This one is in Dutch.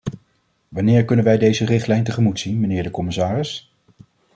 Wanneer kunnen wij deze richtlijn tegemoet zien, mijnheer de commissaris?